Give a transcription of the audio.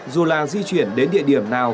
dù là di chuyển đến địa điểm nào